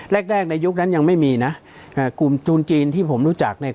แรกแรกในยุคนั้นยังไม่มีนะกลุ่มทุนจีนที่ผมรู้จักเนี่ย